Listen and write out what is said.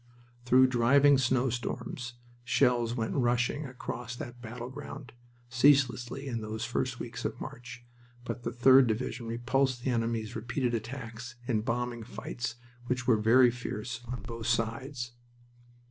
Through driving snowstorms shells went rushing across that battleground, ceaselessly in those first weeks of March, but the 3d Division repulsed the enemy's repeated attacks in bombing fights which were very fierce on both sides.